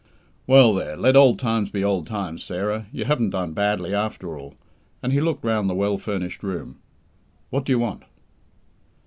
"Well, there; let old times be old times, Sarah. You haven't done badly, after all," and he looked round the well furnished room. "What do you want?"